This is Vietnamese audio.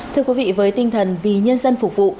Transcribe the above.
thưa quý vị với tinh thần vì nhân dân phục vụ